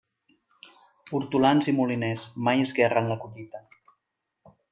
Hortolans i moliners, mai esguerren la collita.